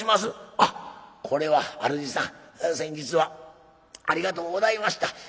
あっこれは主さん先日はありがとうございました。